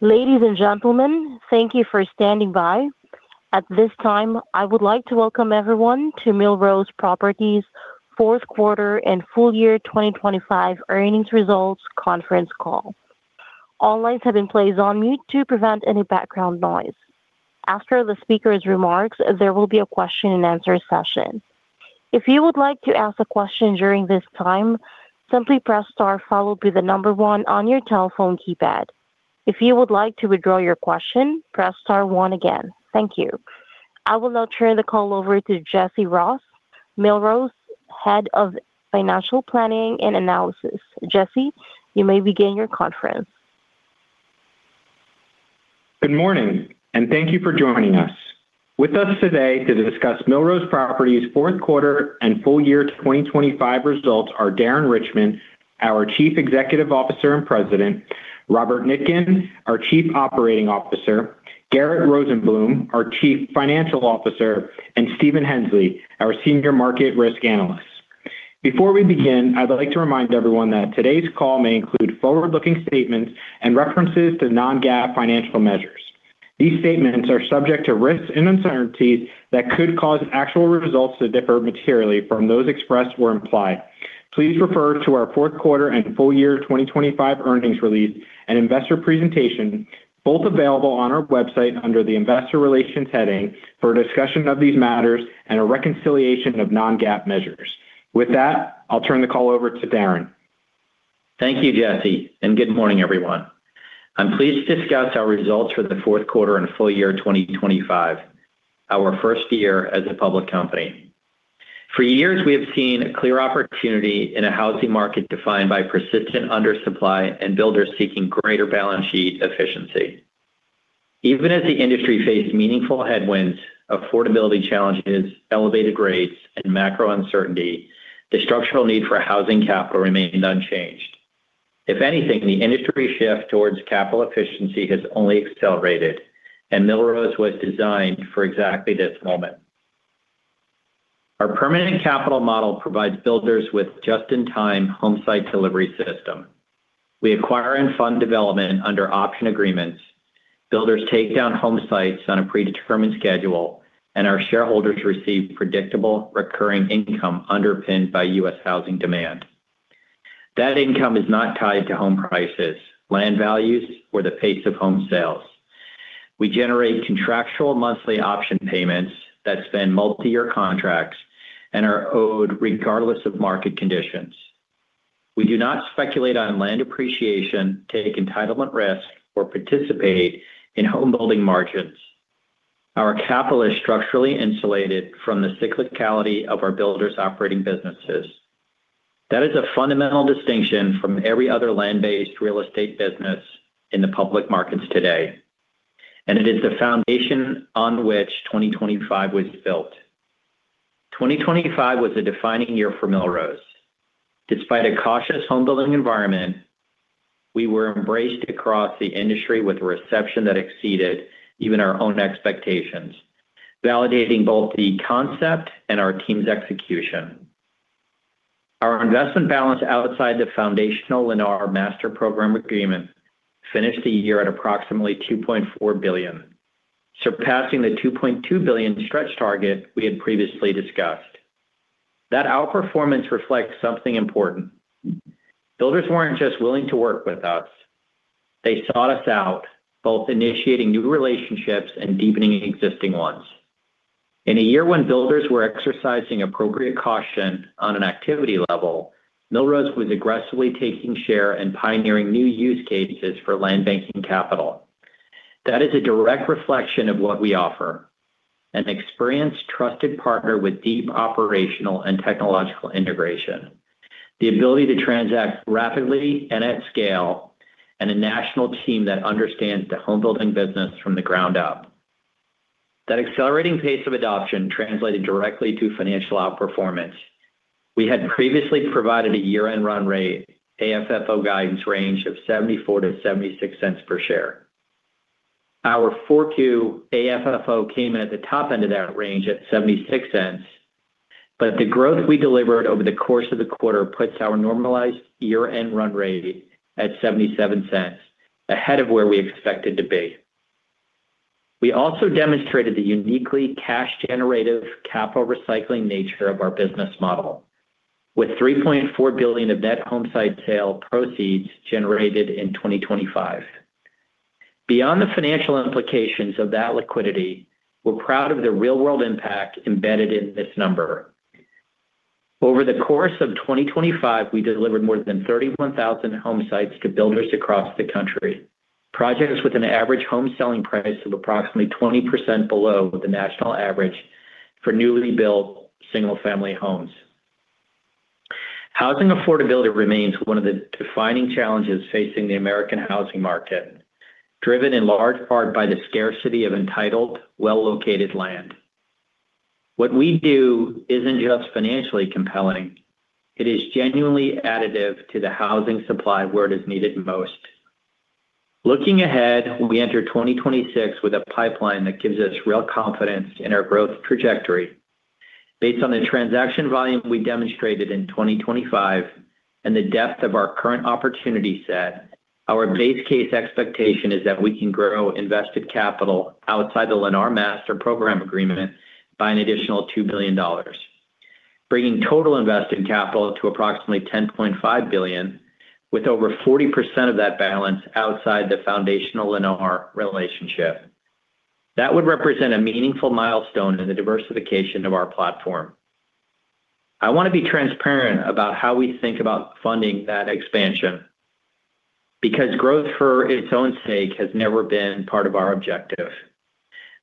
Ladies and gentlemen, thank you for standing by. At this time, I would like to welcome everyone to Millrose Properties' Fourth Quarter and full year 2025 earnings results conference call. All lines have been placed on mute to prevent any background noise. After the speaker's remarks, there will be a question and answer session. If you would like to ask a question during this time, simply press star followed by the number one on your telephone keypad. If you would like to withdraw your question, press star one again. Thank you. I will now turn the call over to Jesse Ross, Millrose, Head of Financial Planning and Analysis. Jesse, you may begin your conference. Good morning. Thank you for joining us. With us today to discuss Millrose Properties' fourth quarter and full year 2025 results are Darren Richman, our Chief Executive Officer and President; Robert Nitkin, our Chief Operating Officer; Garett Rosenblum, our Chief Financial Officer; and Stephen Hensley, our Senior Market Risk Analyst. Before we begin, I'd like to remind everyone that today's call may include forward-looking statements and references to non-GAAP financial measures. These statements are subject to risks and uncertainties that could cause actual results to differ materially from those expressed or implied. Please refer to our fourth quarter and full year 2025 earnings release and investor presentation, both available on our website under the Investor Relations heading, for a discussion of these matters and a reconciliation of non-GAAP measures. With that, I'll turn the call over to Darren. Thank you, Jesse. Good morning, everyone. I'm pleased to discuss our results for the fourth quarter and full year 2025, our first year as a public company. For years, we have seen a clear opportunity in a housing market defined by persistent undersupply and builders seeking greater balance sheet efficiency. Even as the industry faced meaningful headwinds, affordability challenges, elevated rates, and macro uncertainty, the structural need for housing capital remained unchanged. If anything, the industry shift towards capital efficiency has only accelerated, and Millrose was designed for exactly this moment. Our permanent capital model provides builders with just-in-time homesite delivery system. We acquire and fund development under option agreements. Builders take down homesites on a predetermined schedule, and our shareholders receive predictable, recurring income underpinned by U.S. housing demand. That income is not tied to home prices, land values, or the pace of home sales. We generate contractual monthly option payments that span multi-year contracts and are owed regardless of market conditions. We do not speculate on land appreciation, take entitlement risk, or participate in home building margins. Our capital is structurally insulated from the cyclicality of our builders' operating businesses. That is a fundamental distinction from every other land-based real estate business in the public markets today, and it is the foundation on which 2025 was built. 2025 was a defining year for Millrose. Despite a cautious home building environment, we were embraced across the industry with a reception that exceeded even our own expectations, validating both the concept and our team's execution. Our investment balance outside the foundational Lennar Master Program Agreement finished the year at approximately $2.4 billion, surpassing the $2.2 billion stretch target we had previously discussed. That outperformance reflects something important. Builders weren't just willing to work with us, they sought us out, both initiating new relationships and deepening existing ones. In a year when builders were exercising appropriate caution on an activity level, Millrose was aggressively taking share and pioneering new use cases for land banking capital. That is a direct reflection of what we offer: an experienced, trusted partner with deep operational and technological integration, the ability to transact rapidly and at scale, and a national team that understands the home building business from the ground up. That accelerating pace of adoption translated directly to financial outperformance. We had previously provided a year-end run rate AFFO guidance range of $0.74-$0.76 per share. Our Q4 AFFO came in at the top end of that range at $0.76. The growth we delivered over the course of the quarter puts our normalized year-end run rate at $0.77, ahead of where we expected to be. We also demonstrated the uniquely cash-generative capital recycling nature of our business model, with $3.4 billion of net homesite sale proceeds generated in 2025. Beyond the financial implications of that liquidity, we're proud of the real-world impact embedded in this number. Over the course of 2025, we delivered more than 31,000 homesites to builders across the country, projects with an average home selling price of approximately 20% below the national average for newly built single-family homes. Housing affordability remains one of the defining challenges facing the American housing market, driven in large part by the scarcity of entitled, well-located land. What we do isn't just financially compelling; it is genuinely additive to the housing supply where it is needed most. Looking ahead, we enter 2026 with a pipeline that gives us real confidence in our growth trajectory. Based on the transaction volume we demonstrated in 2025 and the depth of our current opportunity set, our base case expectation is that we can grow invested capital outside the Lennar Master Program Agreement by an additional $2 billion, bringing total invested capital to approximately $10.5 billion, with over 40% of that balance outside the foundational Lennar relationship. That would represent a meaningful milestone in the diversification of our platform. I want to be transparent about how we think about funding that expansion, because growth for its own sake has never been part of our objective.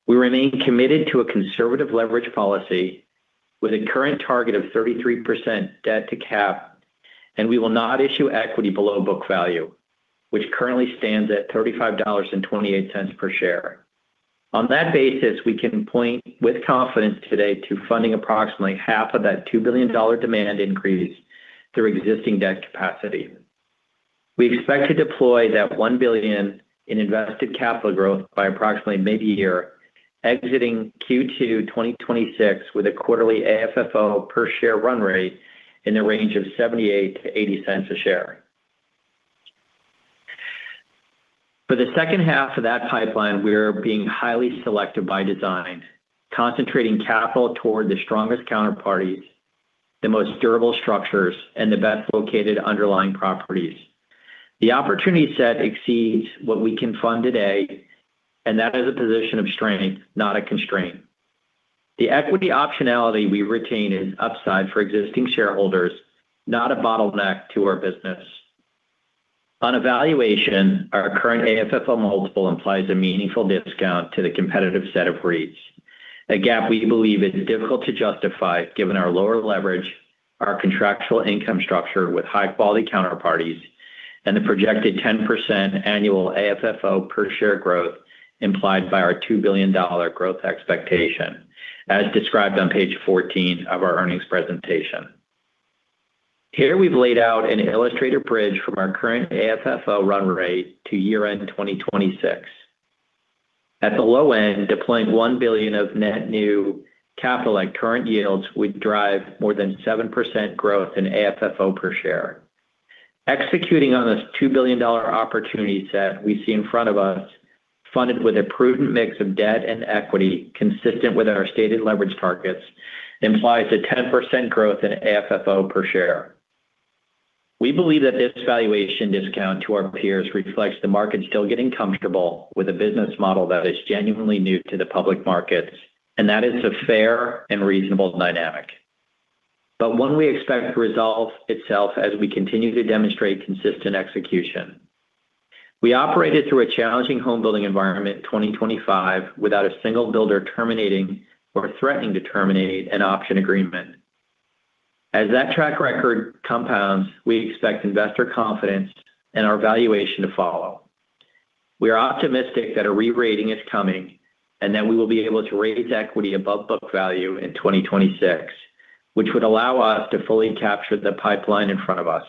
We remain committed to a conservative leverage policy with a current target of 33% debt to cap, and we will not issue equity below book value, which currently stands at $35.28 per share. On that basis, we can point with confidence today to funding approximately half of that $2 billion demand increase through existing debt capacity. We expect to deploy that $1 billion in invested capital growth by approximately mid-year, exiting Q2 2026 with a quarterly AFFO per share run rate in the range of $0.78 - $0.80 a share. For the second half of that pipeline, we are being highly selective by design, concentrating capital toward the strongest counterparties, the most durable structures, and the best located underlying properties. The opportunity set exceeds what we can fund today, and that is a position of strength, not a constraint. The equity optionality we retain is upside for existing shareholders, not a bottleneck to our business. On evaluation, our current AFFO multiple implies a meaningful discount to the competitive set of REITs. At GAAP, we believe it's difficult to justify, given our lower leverage, our contractual income structure with high-quality counterparties, and the projected 10% annual AFFO per share growth implied by our $2 billion growth expectation, as described on page 14 of our earnings presentation. Here we've laid out an illustrated bridge from our current AFFO run rate to year-end 2026. At the low end, deploying $1 billion of net new capital at current yields would drive more than 7% growth in AFFO per share. Executing on this $2 billion opportunity set we see in front of us, funded with a prudent mix of debt and equity consistent with our stated leverage targets, implies a 10% growth in AFFO per share. We believe that this valuation discount to our peers reflects the market still getting comfortable with a business model that is genuinely new to the public markets, and that is a fair and reasonable dynamic. One we expect to resolve itself as we continue to demonstrate consistent execution. We operated through a challenging home building environment in 2025 without a single builder terminating or threatening to terminate an option agreement. As that track record compounds, we expect investor confidence and our valuation to follow. We are optimistic that a re-rating is coming, and that we will be able to raise equity above book value in 2026, which would allow us to fully capture the pipeline in front of us.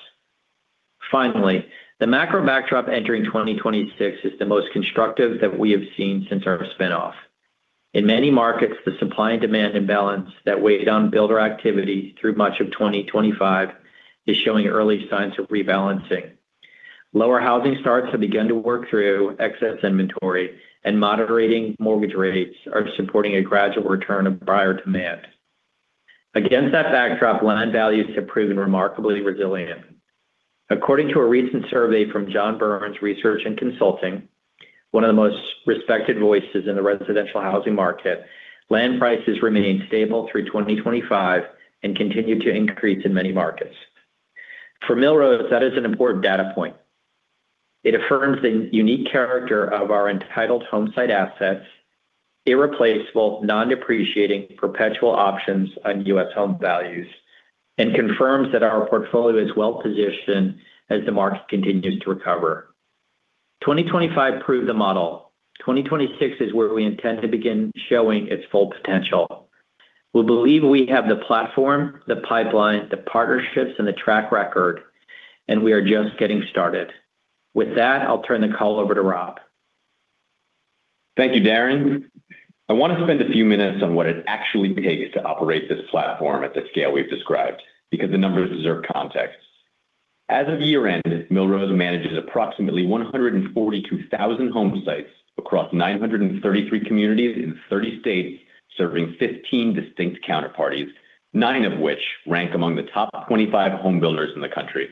Finally, the macro backdrop entering 2026 is the most constructive that we have seen since our spin-off. In many markets, the supply and demand imbalance that weighed on builder activity through much of 2025 is showing early signs of rebalancing. Lower housing starts have begun to work through excess inventory, and moderating mortgage rates are supporting a gradual return of prior demand. Against that backdrop, land values have proven remarkably resilient. According to a recent survey from John Burns Research and Consulting, one of the most respected voices in the residential housing market, land prices remained stable through 2025 and continued to increase in many markets. For Millrose, that is an important data point. It affirms the unique character of our entitled homesite assets, irreplaceable, non-depreciating, perpetual options on U.S. home values, and confirms that our portfolio is well-positioned as the market continues to recover. 2025 proved the model. 2026 is where we intend to begin showing its full potential. We believe we have the platform, the pipeline, the partnerships, and the track record, and we are just getting started. With that, I'll turn the call over to Robert. Thank you, Darren. I want to spend a few minutes on what it actually takes to operate this platform at the scale we've described. The numbers deserve context. As of year-end, Millrose manages approximately 142,000 home sites across 933 communities in 30 states, serving 15 distinct counterparties, 9 of which rank among the top 25 home builders in the country.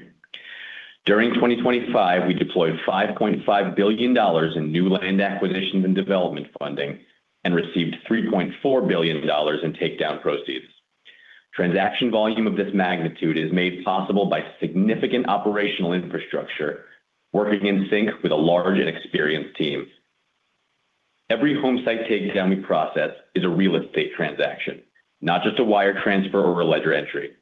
During 2025, we deployed $5.5 billion in new land acquisitions and development funding and received $3.4 billion in takedown proceeds. Transaction volume of this magnitude is made possible by significant operational infrastructure, working in sync with a large and experienced team. Every home site takedown we process is a real estate transaction, not just a wire transfer or a ledger entry.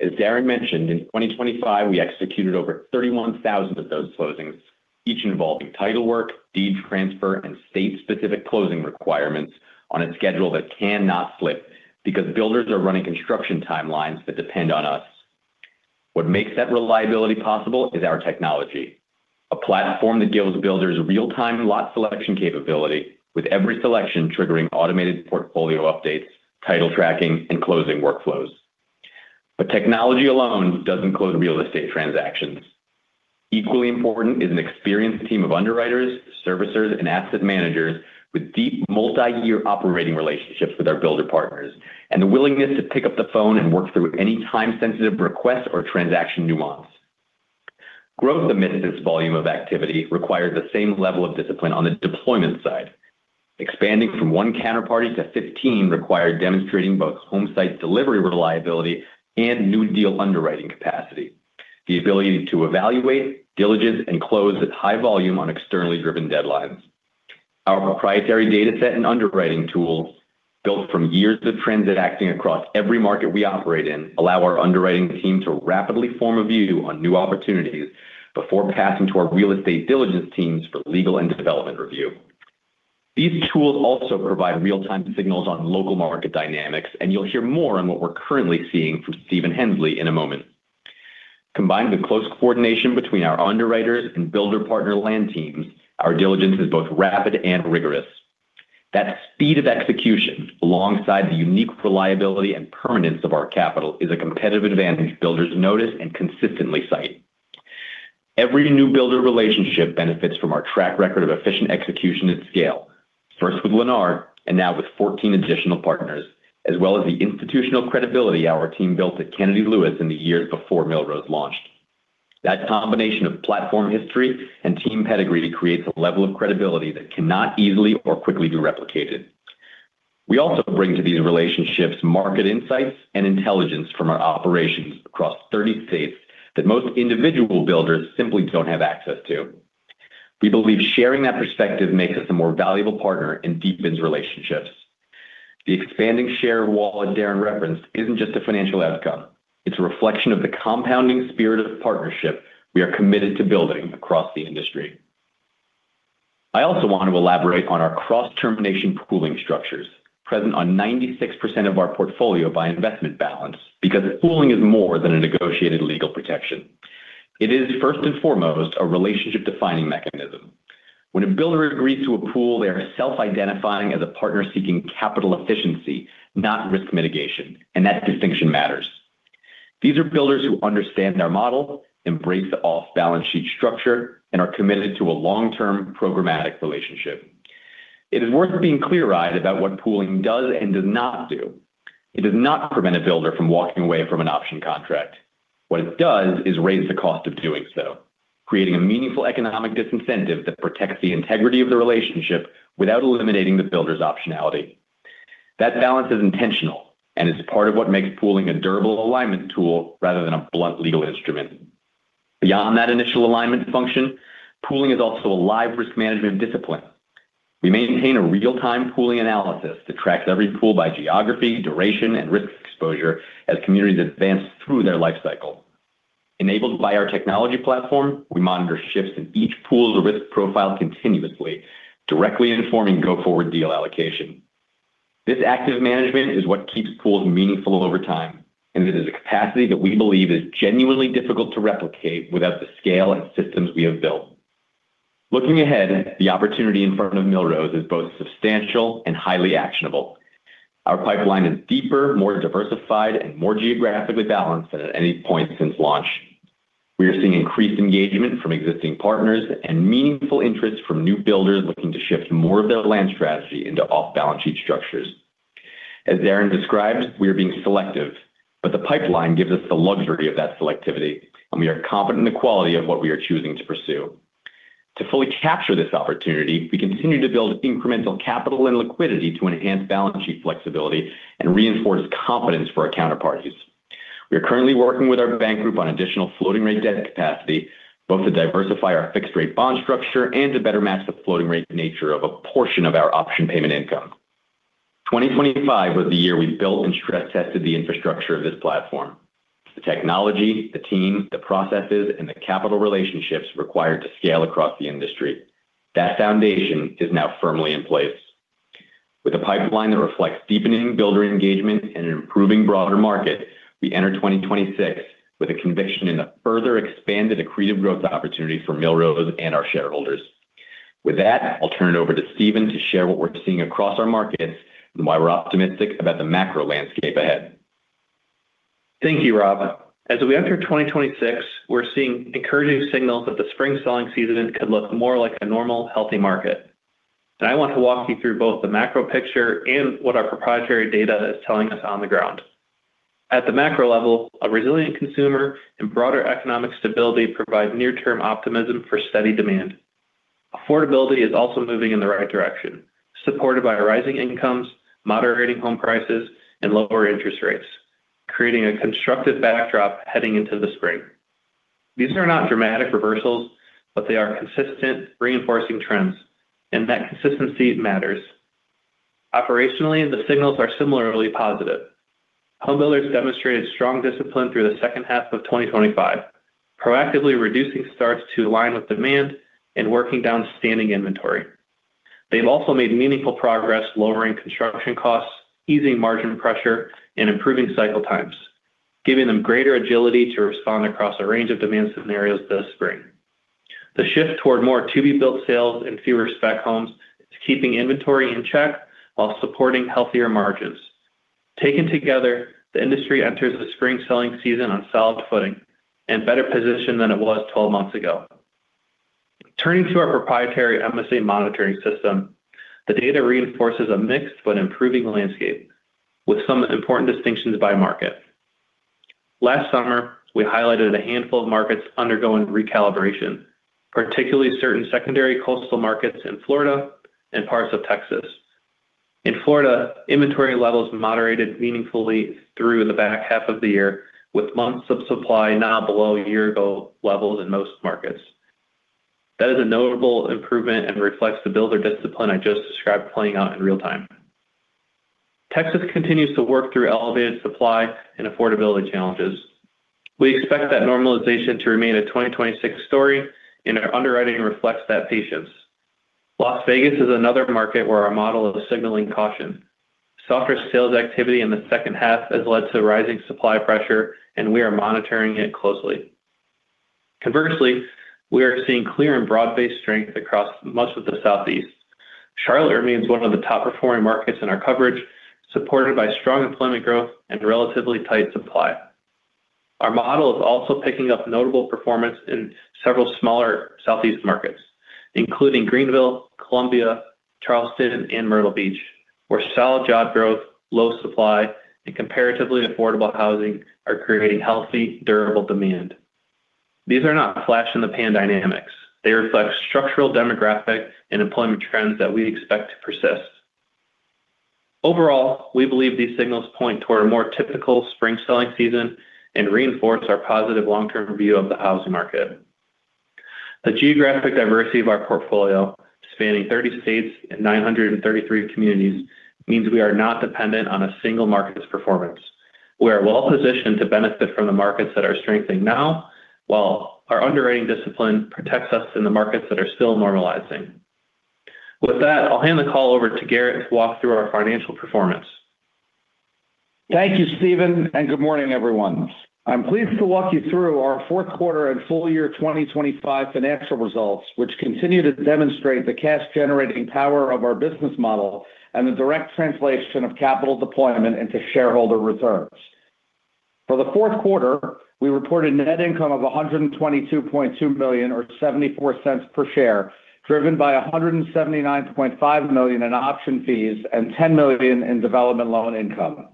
As Darren mentioned, in 2025, we executed over 31,000 of those closings, each involving title work, deed transfer, and state-specific closing requirements on a schedule that cannot slip, because builders are running construction timelines that depend on us. What makes that reliability possible is our technology, a platform that gives builders real-time lot selection capability, with every selection triggering automated portfolio updates, title tracking, and closing workflows. Technology alone doesn't close real estate transactions. Equally important is an experienced team of underwriters, servicers, and asset managers with deep, multi-year operating relationships with our builder partners, and the willingness to pick up the phone and work through any time-sensitive request or transaction nuance. Growth amid this volume of activity required the same level of discipline on the deployment side. Expanding from 1 counterparty to 15 required demonstrating both home site delivery reliability and new deal underwriting capacity, the ability to evaluate, diligence, and close at high volume on externally driven deadlines. Our proprietary dataset and underwriting tools, built from years of trends and acting across every market we operate in, allow our underwriting team to rapidly form a view on new opportunities before passing to our real estate diligence teams for legal and development review. These tools also provide real-time signals on local market dynamics, and you'll hear more on what we're currently seeing from Stephen Hensley in a moment. Combined with close coordination between our underwriters and builder partner land teams, our diligence is both rapid and rigorous. That speed of execution, alongside the unique reliability and permanence of our capital, is a competitive advantage builders notice and consistently cite. Every new builder relationship benefits from our track record of efficient execution at scale, first with Lennar and now with 14 additional partners, as well as the institutional credibility our team built at Kennedy Lewis in the years before Millrose launched. That combination of platform history and team pedigree creates a level of credibility that cannot easily or quickly be replicated. We also bring to these relationships market insights and intelligence from our operations across 30 states that most individual builders simply don't have access to. We believe sharing that perspective makes us a more valuable partner and deepens relationships. The expanding share wall that Darren referenced isn't just a financial outcome, it's a reflection of the compounding spirit of partnership we are committed to building across the industry. I also want to elaborate on our cross-termination pooling structures, present on 96% of our portfolio by investment balance, because pooling is more than a negotiated legal protection. It is first and foremost a relationship-defining mechanism. When a builder agrees to a pool, they are self-identifying as a partner seeking capital efficiency, not risk mitigation, and that distinction matters. These are builders who understand our model, embrace the off-balance sheet structure, and are committed to a long-term programmatic relationship. It is worth being clear-eyed about what pooling does and does not do. It does not prevent a builder from walking away from an option contract. What it does is raise the cost of doing so, creating a meaningful economic disincentive that protects the integrity of the relationship without eliminating the builder's optionality. That balance is intentional and is part of what makes pooling a durable alignment tool rather than a blunt legal instrument. Beyond that initial alignment function, pooling is also a live risk management discipline. We maintain a real-time pooling analysis that tracks every pool by geography, duration, and risk exposure as communities advance through their life cycle. Enabled by our technology platform, we monitor shifts in each pool's risk profile continuously, directly informing go-forward deal allocation. This active management is what keeps pools meaningful over time, and it is a capacity that we believe is genuinely difficult to replicate without the scale and systems we have built. Looking ahead, the opportunity in front of Millrose is both substantial and highly actionable. Our pipeline is deeper, more diversified, and more geographically balanced than at any point since launch. We are seeing increased engagement from existing partners and meaningful interest from new builders looking to shift more of their land strategy into off-balance sheet structures. As Darren described, we are being selective, but the pipeline gives us the luxury of that selectivity, and we are confident in the quality of what we are choosing to pursue. To fully capture this opportunity, we continue to build incremental capital and liquidity to enhance balance sheet flexibility and reinforce confidence for our counterparties. We are currently working with our bank group on additional floating-rate debt capacity, both to diversify our fixed-rate bond structure and to better match the floating-rate nature of a portion of our option payment income. 2025 was the year we built and stress-tested the infrastructure of this platform, the technology, the team, the processes, and the capital relationships required to scale across the industry. That foundation is now firmly in place. With a pipeline that reflects deepening builder engagement and an improving broader market, we enter 2026 with a conviction in the further expanded accretive growth opportunity for Millrose and our shareholders. With that, I'll turn it over to Stephen to share what we're seeing across our markets and why we're optimistic about the macro landscape ahead. Thank you, Robert. As we enter 2026, we're seeing encouraging signals that the spring selling season could look more like a normal, healthy market. I want to walk you through both the macro picture and what our proprietary data is telling us on the ground. At the macro level, a resilient consumer and broader economic stability provide near-term optimism for steady demand. Affordability is also moving in the right direction, supported by rising incomes, moderating home prices, and lower interest rates, creating a constructive backdrop heading into the spring. These are not dramatic reversals, but they are consistent, reinforcing trends, and that consistency matters. Operationally, the signals are similarly positive. Home builders demonstrated strong discipline through the second half of 2025, proactively reducing starts to align with demand and working down standing inventory.... They've also made meaningful progress lowering construction costs, easing margin pressure, and improving cycle times, giving them greater agility to respond across a range of demand scenarios this spring. The shift toward more to-be-built sales and fewer spec homes is keeping inventory in check while supporting healthier margins. Taken together, the industry enters the spring selling season on solid footing and better positioned than it was 12 months ago. Turning to our proprietary MSA monitoring system, the data reinforces a mixed but improving landscape with some important distinctions by market. Last summer, we highlighted a handful of markets undergoing recalibration, particularly certain secondary coastal markets in Florida and parts of Texas. In Florida, inventory levels moderated meaningfully through the back half of the year, with months of supply now below year-ago levels in most markets. That is a notable improvement and reflects the builder discipline I just described playing out in real time. Texas continues to work through elevated supply and affordability challenges. We expect that normalization to remain a 2026 story, and our underwriting reflects that patience. Las Vegas is another market where our model is signaling caution. Softer sales activity in the second half has led to rising supply pressure, and we are monitoring it closely. Conversely, we are seeing clear and broad-based strength across much of the Southeast. Charlotte remains one of the top-performing markets in our coverage, supported by strong employment growth and relatively tight supply. Our model is also picking up notable performance in several smaller Southeast markets, including Greenville, Columbia, Charleston, and Myrtle Beach, where solid job growth, low supply, and comparatively affordable housing are creating healthy, durable demand. These are not flash-in-the-pan dynamics. They reflect structural, demographic, and employment trends that we expect to persist. Overall, we believe these signals point toward a more typical spring selling season and reinforce our positive long-term view of the housing market. The geographic diversity of our portfolio, spanning 30 states and 933 communities, means we are not dependent on a single market's performance. We are well-positioned to benefit from the markets that are strengthening now, while our underwriting discipline protects us in the markets that are still normalizing. With that, I'll hand the call over to Garett to walk through our financial performance. Thank you, Stephen. Good morning, everyone. I'm pleased to walk you through our fourth quarter and full year 2025 financial results, which continue to demonstrate the cash-generating power of our business model and the direct translation of capital deployment into shareholder returns. For the fourth quarter, we reported net income of $122.2 million, or $0.74 per share, driven by $179.5 million in option fees and $10 million in development loan income.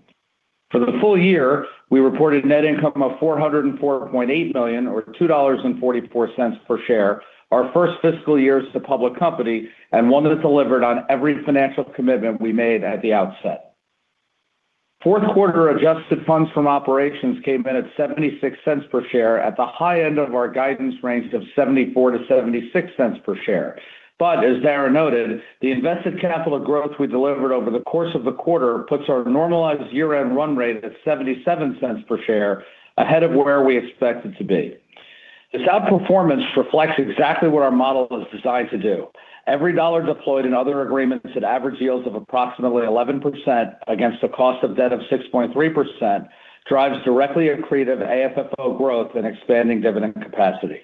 For the full year, we reported net income of $404.8 million, or $2.44 per share. Our first fiscal year as a public company, and one that delivered on every financial commitment we made at the outset. Fourth quarter adjusted funds from operations came in at $0.76 per share at the high end of our guidance range of $0.74-$0.76 per share. As Darren noted, the invested capital of growth we delivered over the course of the quarter puts our normalized year-end run rate at $0.77 per share, ahead of where we expected to be. This outperformance reflects exactly what our model is designed to do. Every dollar deployed in other agreements at average yields of approximately 11% against a cost of debt of 6.3%, drives directly accretive AFFO growth and expanding dividend capacity.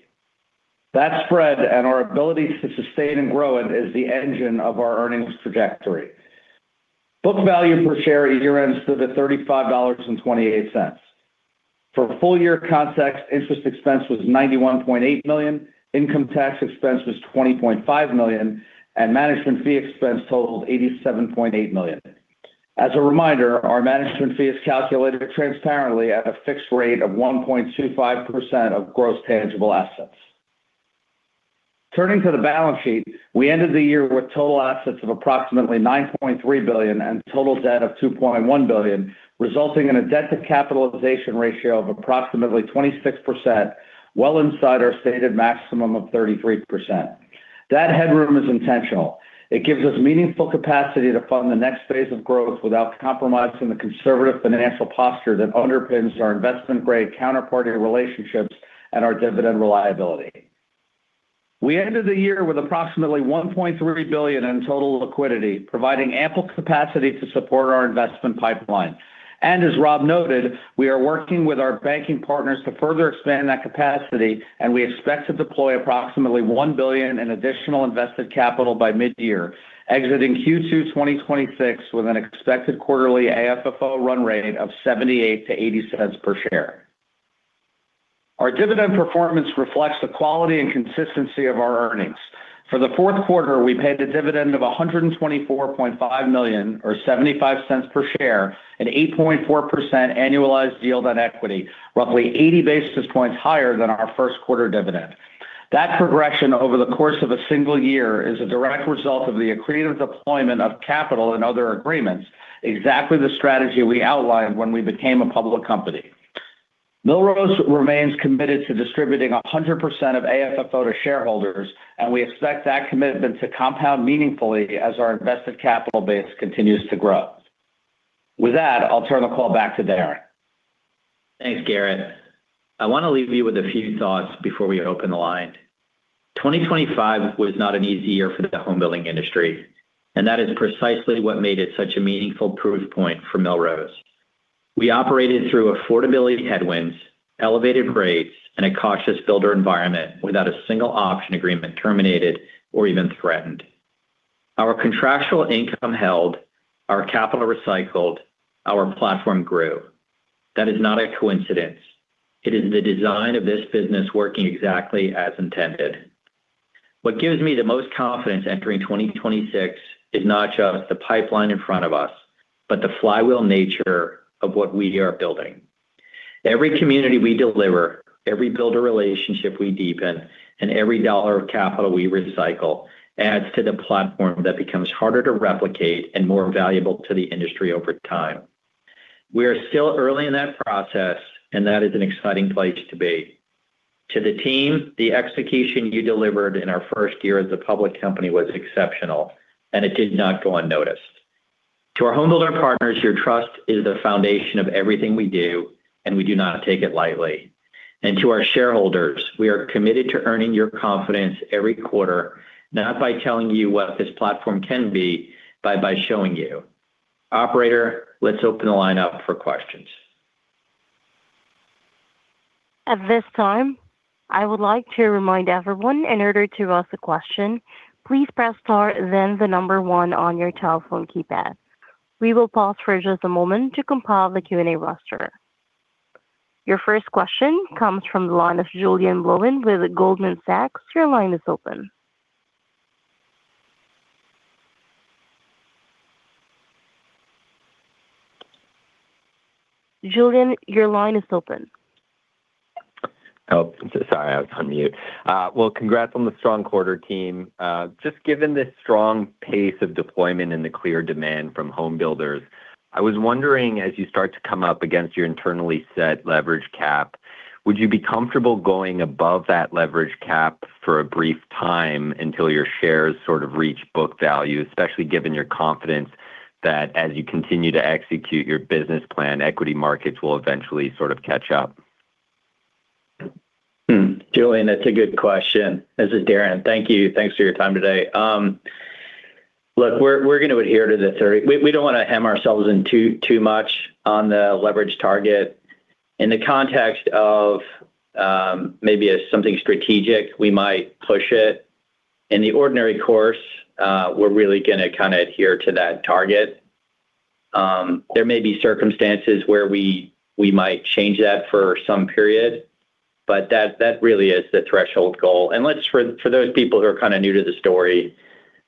That spread and our ability to sustain and grow it is the engine of our earnings trajectory. Book value per share year-end stood at $35.28. For full-year context, interest expense was $91.8 million, income tax expense was $20.5 million, and management fee expense totaled $87.8 million. As a reminder, our management fee is calculated transparently at a fixed rate of 1.25% of gross tangible assets. Turning to the balance sheet, we ended the year with total assets of approximately $9.3 billion and total debt of $2.1 billion, resulting in a debt to capitalization ratio of approximately 26%, well inside our stated maximum of 33%. That headroom is intentional. It gives us meaningful capacity to fund the next phase of growth without compromising the conservative financial posture that underpins our investment-grade counterparty relationships and our dividend reliability. We ended the year with approximately $1.3 billion in total liquidity, providing ample capacity to support our investment pipeline. As Rob noted, we are working with our banking partners to further expand that capacity, and we expect to deploy approximately $1 billion in additional invested capital by mid-year, exiting Q2 2026 with an expected quarterly AFFO run rate of $0.78-$0.80 per share. Our dividend performance reflects the quality and consistency of our earnings. For the fourth quarter, we paid a dividend of $124.5 million, or $0.75 per share, an 8.4% annualized yield on equity, roughly 80 basis points higher than our first quarter dividend. That progression over the course of a single year is a direct result of the accretive deployment of capital in other agreements, exactly the strategy we outlined when we became a public company. Millrose remains committed to distributing 100% of AFFO to shareholders. We expect that commitment to compound meaningfully as our invested capital base continues to grow. With that, I'll turn the call back to Darren. Thanks, Garett. I want to leave you with a few thoughts before we open the line. 2025 was not an easy year for the home building industry, and that is precisely what made it such a meaningful proof point for Millrose. We operated through affordability headwinds, elevated rates, and a cautious builder environment without a single option agreement terminated or even threatened. Our contractual income held, our capital recycled, our platform grew. That is not a coincidence. It is the design of this business working exactly as intended. What gives me the most confidence entering 2026 is not just the pipeline in front of us, but the flywheel nature of what we are building. Every community we deliver, every builder relationship we deepen, and every dollar of capital we recycle adds to the platform that becomes harder to replicate and more valuable to the industry over time. We are still early in that process, and that is an exciting place to be. To the team, the execution you delivered in our first year as a public company was exceptional, and it did not go unnoticed. To our home builder partners, your trust is the foundation of everything we do, and we do not take it lightly. To our shareholders, we are committed to earning your confidence every quarter, not by telling you what this platform can be, but by showing you. Operator, let's open the line up for questions. At this time, I would like to remind everyone, in order to ask a question, please press star, then the number 1 on your telephone keypad. We will pause for just a moment to compile the Q&A roster. Your first question comes from the line of Julien Blouin with Goldman Sachs. Your line is open. Julien, your line is open. Oh, so sorry, I was on mute. Well, congrats on the strong quarter, team. Just given this strong pace of deployment and the clear demand from home builders, I was wondering, as you start to come up against your internally set leverage cap, would you be comfortable going above that leverage cap for a brief time until your shares sort of reach book value, especially given your confidence that as you continue to execute your business plan, equity markets will eventually sort of catch up? Julien, that's a good question. This is Darren. Thank you. Thanks for your time today. Look, we're going to adhere to the 30. We don't want to hem ourselves in too much on the leverage target. In the context of, maybe as something strategic, we might push it. In the ordinary course, we're really going to kind of adhere to that target. There may be circumstances where we might change that for some period, but that really is the threshold goal. Let's for those people who are kind of new to the story,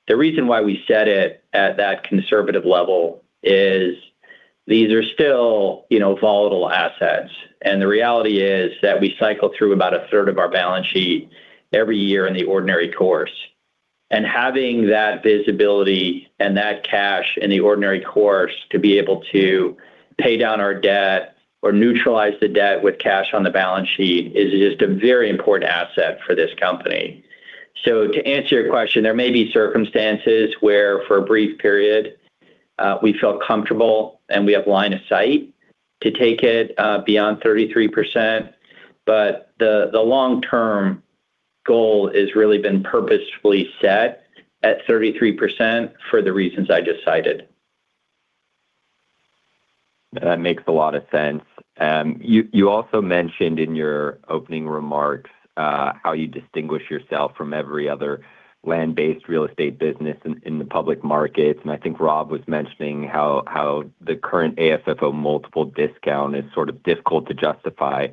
the reason why we set it at that conservative level is these are still, you know, volatile assets. The reality is that we cycle through about a third of our balance sheet every year in the ordinary course. Having that visibility and that cash in the ordinary course to be able to pay down our debt or neutralize the debt with cash on the balance sheet is just a very important asset for this company. To answer your question, there may be circumstances where, for a brief period, we felt comfortable, and we have line of sight to take it beyond 33%, but the long-term goal has really been purposefully set at 33% for the reasons I just cited. That makes a lot of sense. You also mentioned in your opening remarks how you distinguish yourself from every other land-based real estate business in the public markets. I think Rob was mentioning how the current AFFO multiple discount is sort of difficult to justify.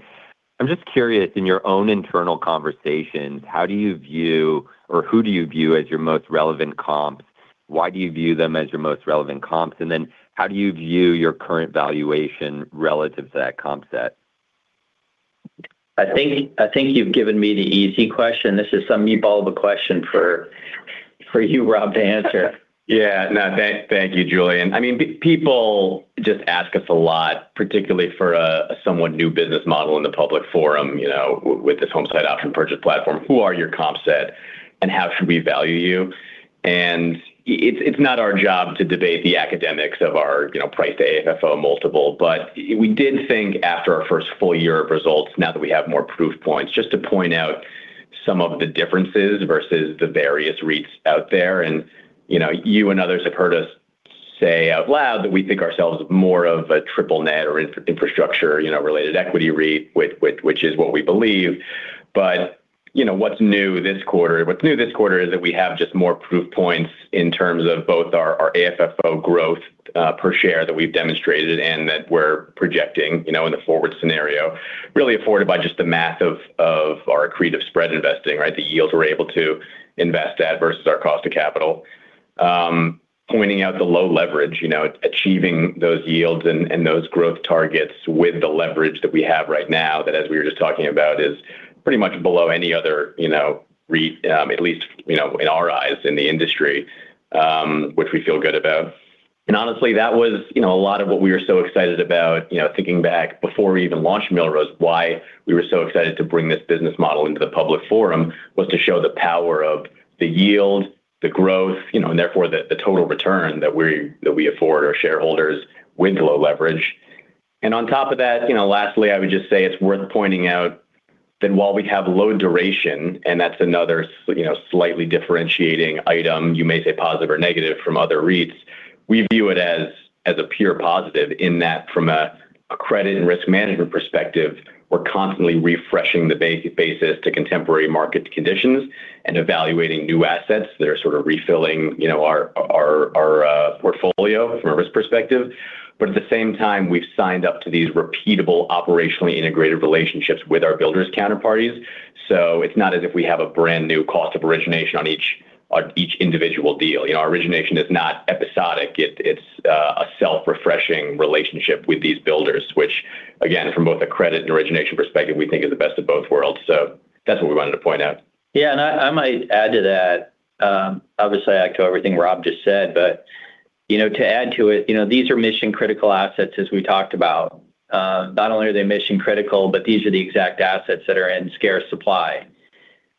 I'm just curious, in your own internal conversations, how do you view or who do you view as your most relevant comp? Why do you view them as your most relevant comps? How do you view your current valuation relative to that comp set? I think you've given me the easy question. This is some meatball of a question for you, Rob, to answer. Yeah. No, thank you, Julien. I mean, people just ask us a lot, particularly for a somewhat new business model in the public forum, you know, with this homesite option purchase platform, who are your comp set, and how should we value you? It's not our job to debate the academics of our, you know, price to AFFO multiple. We did think after our first full year of results, now that we have more proof points, just to point out some of the differences versus the various REITs out there. You know, you and others have heard us say out loud that we think ourselves more of a triple net or infrastructure, you know, related equity REIT, which is what we believe. You know, what's new this quarter? What's new this quarter is that we have just more proof points in terms of both our AFFO growth per share that we've demonstrated and that we're projecting, you know, in the forward scenario, really afforded by just the math of our accretive spread investing, right? The yields we're able to invest at versus our cost of capital. Pointing out the low leverage, you know, achieving those yields and those growth targets with the leverage that we have right now that, as we were just talking about, is pretty much below any other, you know, REIT, at least, you know, in our eyes, in the industry, which we feel good about. Honestly, that was, you know, a lot of what we were so excited about, you know, thinking back before we even launched Millrose. Why we were so excited to bring this business model into the public forum was to show the power of the yield, the growth, you know, and therefore, the total return that we afford our shareholders with low leverage. On top of that, you know, lastly, I would just say it's worth pointing out that while we have low duration, and that's another so, you know, slightly differentiating item, you may say positive or negative from other REITs, we view it as a pure positive in that from a credit and risk management perspective, we're constantly refreshing the basis to contemporary market conditions and evaluating new assets that are sort of refilling, you know, our portfolio from a risk perspective. At the same time, we've signed up to these repeatable, operationally integrated relationships with our builders counterparties. It's not as if we have a brand-new cost of origination on each individual deal. You know, our origination is not episodic. It's a self-refreshing relationship with these builders, which, again, from both a credit and origination perspective, we think is the best of both worlds. That's what we wanted to point out. I might add to that, obviously, add to everything Rob just said, but, you know, to add to it, you know, these are mission-critical assets, as we talked about. Not only are they mission-critical, these are the exact assets that are in scarce supply.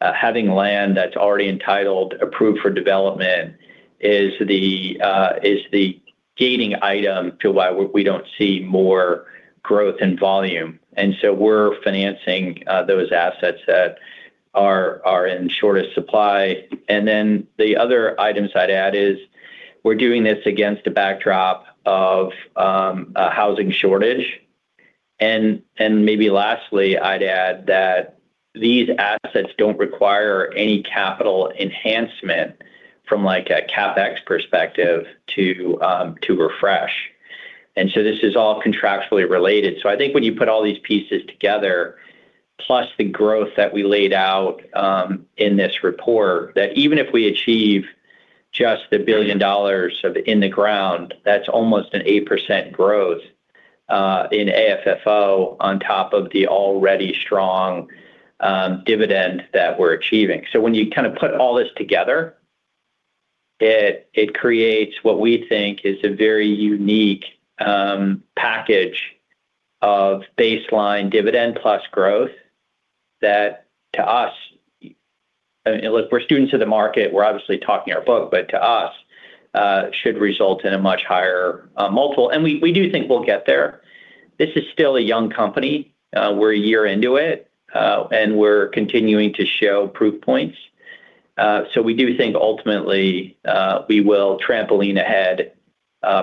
Having land that's already entitled, approved for development is the gating item to why we don't see more growth in volume. We're financing those assets that are in shortest supply. The other items I'd add is we're doing this against a backdrop of a housing shortage. Maybe lastly, I'd add that these assets don't require any capital enhancement from, like, a CapEx perspective to refresh. This is all contractually related. I think when you put all these pieces together, plus the growth that we laid out, in this report, that even if we achieve just the $1 billion of in the ground, that's almost an 8% growth in AFFO on top of the already strong dividend that we're achieving. When you kind of put all this together, it creates what we think is a very unique package of baseline dividend plus growth, that to us, look, we're students of the market, we're obviously talking our book, but to us, should result in a much higher multiple. We, we do think we'll get there. This is still a young company. We're a year into it, and we're continuing to show proof points. We do think ultimately, we will trampoline ahead,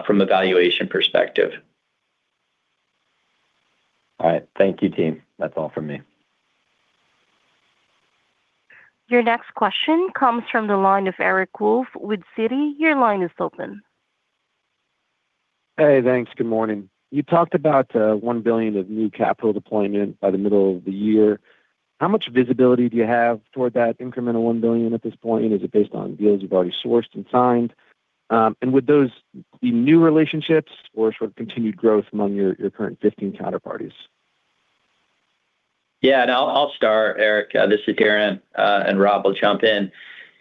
from a valuation perspective. All right. Thank you, team. That's all from me. Your next question comes from the line of Eric Wolfe with Citi. Your line is open. Hey, thanks. Good morning. You talked about, $1 billion of new capital deployment by the middle of the year. How much visibility do you have toward that incremental $1 billion at this point? Is it based on deals you've already sourced and signed? Would those be new relationships or sort of continued growth among your current 15 counterparties? I'll start, Eric. This is Darren, and Rob will jump in.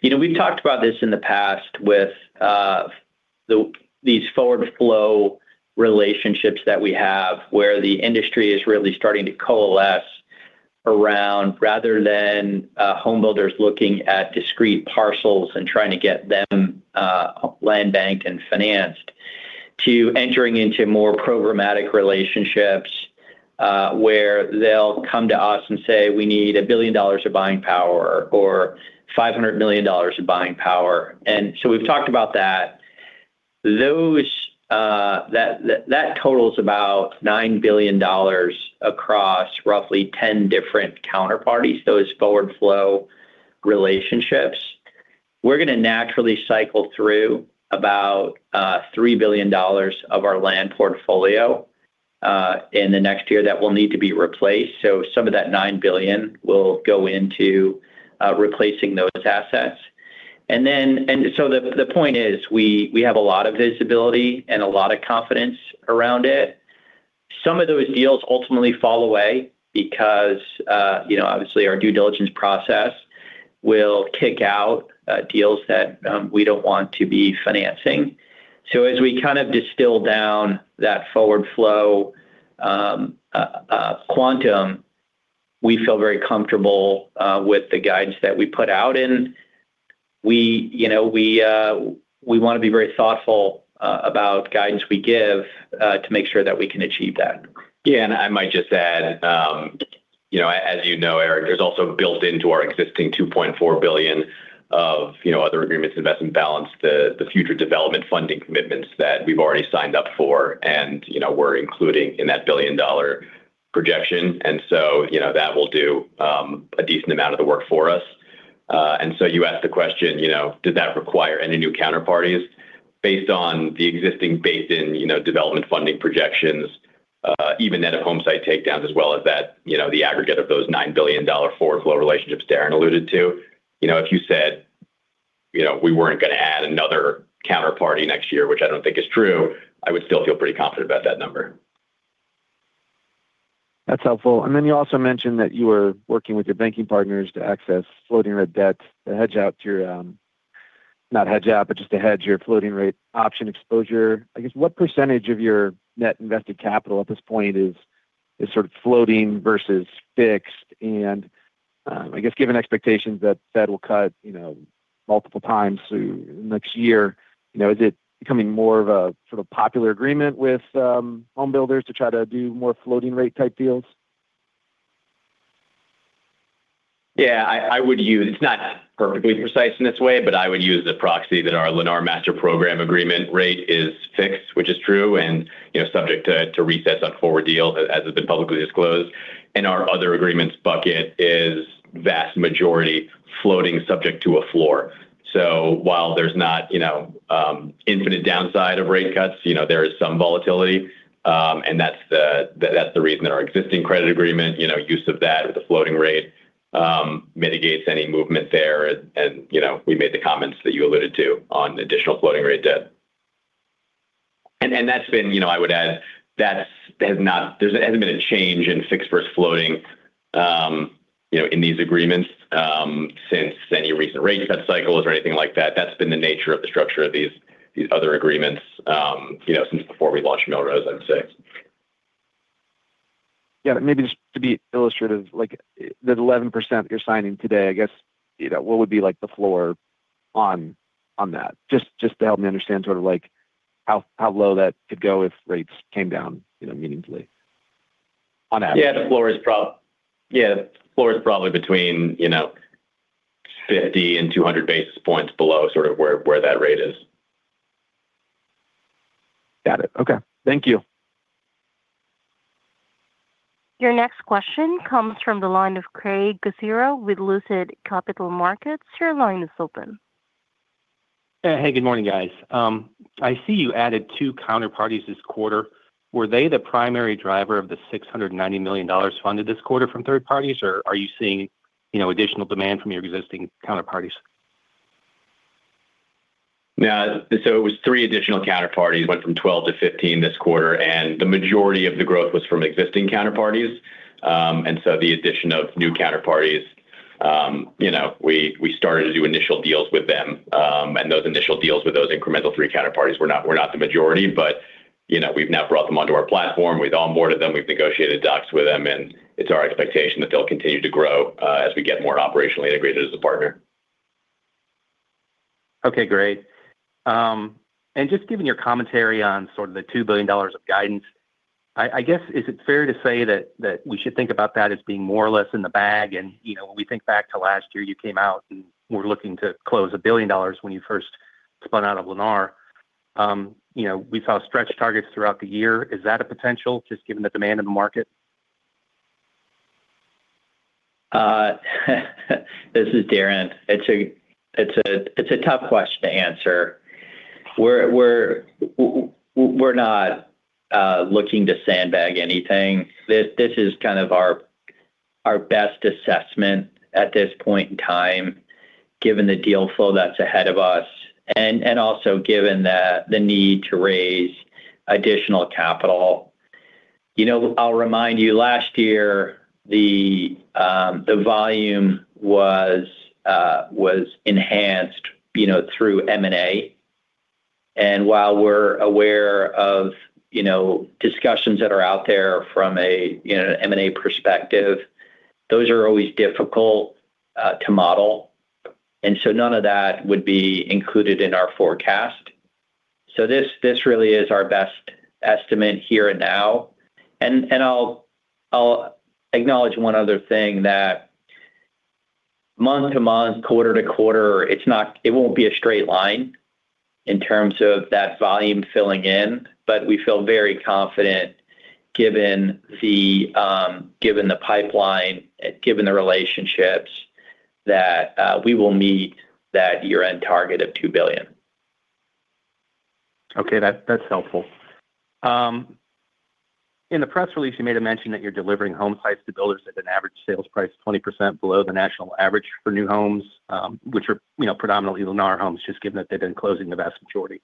You know, we've talked about this in the past with these forward flow relationships that we have, where the industry is really starting to coalesce around rather than homebuilders looking at discrete parcels and trying to get them land banked and financed, to entering into more programmatic relationships, where they'll come to us and say, "We need $1 billion of buying power or $500 million of buying power." We've talked about that. Those totals about $9 billion across roughly 10 different counterparties, those forward flow relationships. We're going to naturally cycle through about $3 billion of our land portfolio in the next year that will need to be replaced. Some of that $9 billion will go into replacing those assets. The point is, we have a lot of visibility and a lot of confidence around it. Some of those deals ultimately fall away because, you know, obviously, our due diligence process will kick out deals that we don't want to be financing. As we kind of distill down that forward flow quantum, we feel very comfortable with the guidance that we put out in. We, you know, we want to be very thoughtful about guidance we give to make sure that we can achieve that. Yeah, I might just add, you know, as you know, Eric, there's also built into our existing $2.4 billion of, you know, other agreements, investment balance, the future development funding commitments that we've already signed up for, and, you know, we're including in that billion-dollar projection. You know, that will do a decent amount of the work for us. You asked the question, you know, did that require any new counterparties? Based on the existing base in, you know, development funding projections, even net of homesite takedowns, as well as that, you know, the aggregate of those $9 billion forward flow relationships Darren alluded to, you know, if you said, you know, we weren't going to add another counterparty next year, which I don't think is true, I would still feel pretty confident about that number. That's helpful. Then you also mentioned that you were working with your banking partners to access floating rate debt to hedge your floating rate option exposure. I guess what percentage of your net invested capital at this point is sort of floating versus fixed. I guess given expectations that Fed will cut, you know, multiple times through next year, you know, is it becoming more of a sort of popular agreement with home builders to try to do more floating rate type deals? Yeah, I would use, it's not perfectly precise in this way, but I would use the proxy that our Lennar Master Program Agreement rate is fixed, which is true, and, you know, subject to resets on forward deals, as has been publicly disclosed. Our other agreements bucket is vast majority floating, subject to a floor. While there's not, you know, infinite downside of rate cuts, you know, there is some volatility, and that's the, that's the reason that our existing credit agreement, you know, use of that or the floating rate, mitigates any movement there. You know, we made the comments that you alluded to on additional floating rate debt. That's been... You know, I would add that there's hasn't been a change in fixed versus floating, you know, in these agreements, since any recent rate cut cycles or anything like that. That's been the nature of the structure of these other agreements, you know, since before we launched Millrose, I'd say. Maybe just to be illustrative, like, the 11% you're signing today, I guess, you know, what would be like the floor on that? Just to help me understand sort of like how low that could go if rates came down, you know, meaningfully on average. Yeah, the floor is probably between, you know, 50 and 200 basis points below, sort of where that rate is. Got it. Okay, thank you. Your next question comes from the line of Craig Kucera with Lucid Capital Markets. Your line is open. Hey, good morning, guys. I see you added two counterparties this quarter. Were they the primary driver of the $690 million funded this quarter from third parties, or are you seeing, you know, additional demand from your existing counterparties? Yeah, it was 3 additional counterparties, went from 12 to 15 this quarter, and the majority of the growth was from existing counterparties. The addition of new counterparties, you know, we started to do initial deals with them. Those initial deals with those incremental 3 counterparties were not the majority, you know, we've now brought them onto our platform. We've onboarded them, we've negotiated docs with them, it's our expectation that they'll continue to grow as we get more operationally integrated as a partner. Okay, great. Just given your commentary on sort of the $2 billion of guidance, I guess, is it fair to say that we should think about that as being more or less in the bag? You know, when we think back to last year, you came out and we're looking to close $1 billion when you first spun out of Lennar. You know, we saw stretched targets throughout the year. Is that a potential, just given the demand in the market? This is Darren. It's a tough question to answer. We're not looking to sandbag anything. This is kind of our best assessment at this point in time, given the deal flow that's ahead of us, and also given the need to raise additional capital. You know, I'll remind you, last year, the volume was enhanced, you know, through M&A. While we're aware of, you know, discussions that are out there from a, you know, M&A perspective, those are always difficult to model. None of that would be included in our forecast. This really is our best estimate here and now. I'll acknowledge one other thing, that month to month, quarter to quarter, it won't be a straight line in terms of that volume filling in, but we feel very confident, given the given the pipeline and given the relationships, that we will meet that year-end target of $2 billion. Okay, that's helpful. In the press release, you made a mention that you're delivering home sites to builders at an average sales price 20% below the national average for new homes, which are, you know, predominantly Lennar homes, just given that they've been closing the vast majority.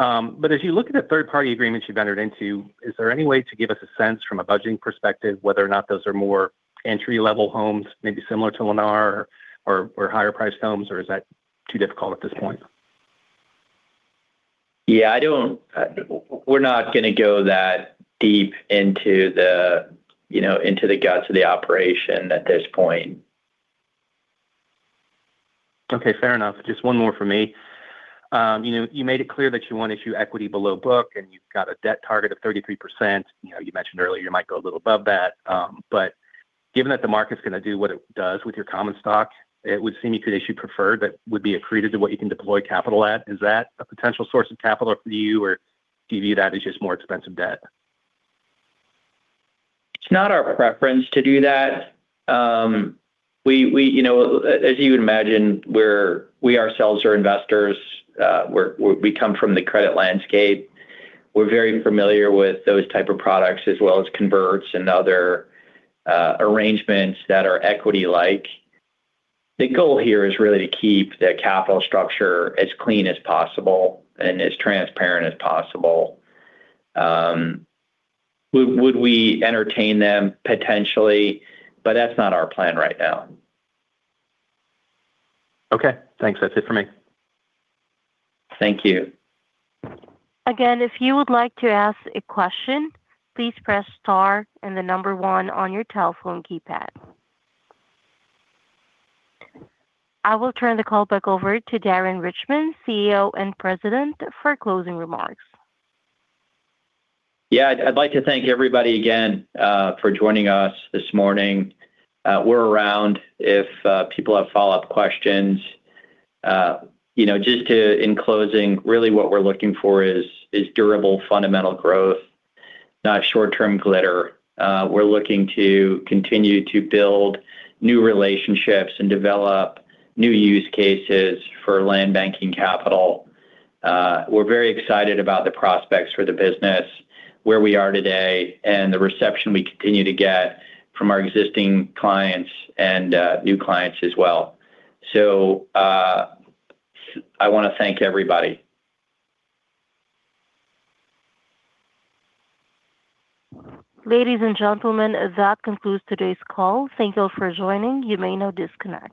As you look at the third-party agreements you've entered into, is there any way to give us a sense from a budgeting perspective, whether or not those are more entry-level homes, maybe similar to Lennar or higher-priced homes, or is that too difficult at this point? Yeah, I don't we're not gonna go that deep into the, you know, guts of the operation at this point. Okay, fair enough. Just one more from me. You know, you made it clear that you want to issue equity below book, and you've got a debt target of 33%. You know, you mentioned earlier you might go a little above that. Given that the market's gonna do what it does with your common stock, it would seem you could issue preferred that would be accretive to what you can deploy capital at. Is that a potential source of capital for you, or do you view that as just more expensive debt? It's not our preference to do that. We you know, as you would imagine, we ourselves are investors, we come from the credit landscape. We're very familiar with those type of products, as well as converts and other arrangements that are equity-like. The goal here is really to keep the capital structure as clean as possible and as transparent as possible. Would we entertain them? Potentially, but that's not our plan right now. Okay, thanks. That's it for me. Thank you. Again, if you would like to ask a question, please press star and the number one on your telephone keypad. I will turn the call back over to Darren Richman, CEO and President, for closing remarks. I'd like to thank everybody again, for joining us this morning. We're around if people have follow-up questions. you know, just in closing, really what we're looking for is durable, fundamental growth, not short-term glitter. We're looking to continue to build new relationships and develop new use cases for land banking capital. We're very excited about the prospects for the business, where we are today, and the reception we continue to get from our existing clients and new clients as well. I want to thank everybody. Ladies and gentlemen, that concludes today's call. Thank you all for joining. You may now disconnect.